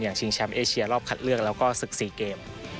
ชิงแชมป์เอเชียรอบคัดเลือกแล้วก็ศึก๔เกม